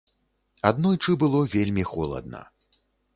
Аднойчы было вельмі холадна.